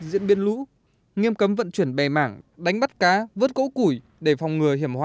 diễn biến lũ nghiêm cấm vận chuyển bè mảng đánh bắt cá vớt cỗ củi để phòng ngừa hiểm họa